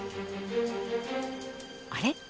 あれ？